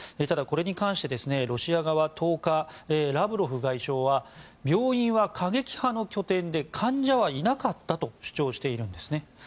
ただ、これに関してロシア側は１０日ラブロフ外相は病院は過激派の拠点で患者はいなかったと主張しているんです。